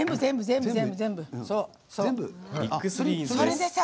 それでさ